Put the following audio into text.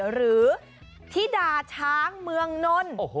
หรือธิดาช้างเมืองนล